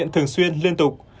thường xuyên liên tục